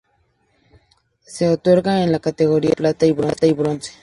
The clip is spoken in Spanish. Se otorga en las categorías de oro, plata y bronce.